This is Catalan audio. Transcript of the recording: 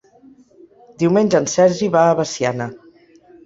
Diumenge en Sergi va a Veciana.